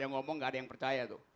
yang ngomong gak ada yang percaya tuh